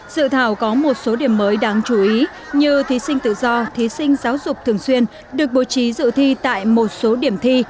dự thảo có một số điểm mới đáng chú ý như thí sinh tự do thí sinh giáo dục thường xuyên được bố trí dự thi tại một số điểm thi